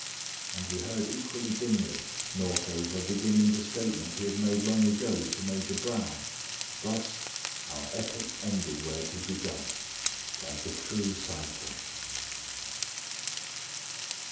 And we heard equally dimly Northover beginning the statement he had made long ago to Major Brown. Thus our epic ended where it had begun, like a true cycle.